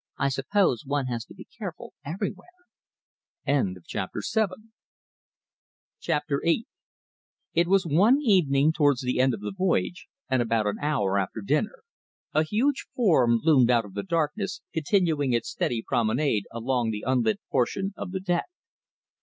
"I suppose one has to be careful everywhere." CHAPTER VIII It was one evening towards the end of the voyage, and about an hour after dinner. A huge form loomed out of the darkness, continuing its steady promenade along the unlit portion of the deck.